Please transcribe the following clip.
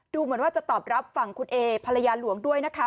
เหมือนว่าจะตอบรับฝั่งคุณเอภรรยาหลวงด้วยนะคะ